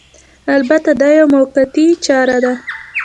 البته دا یوه موقتي چاره وه